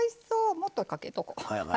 もっとかけとこう。